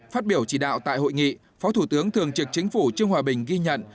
phát biểu chỉ đạo tại hội nghị phó thủ tướng thường trực chính phủ trương hòa bình ghi nhận